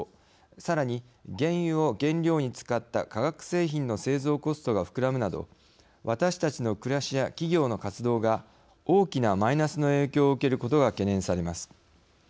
更に原油を原料に使った化学製品の製造コストが膨らむなど私たちの暮らしや企業の活動が大きなマイナスの影響を受けることが懸念されます。